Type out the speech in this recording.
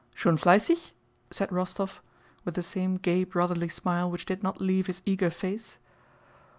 "Schon fleissig?" * said Rostóv with the same gay brotherly smile which did not leave his eager face.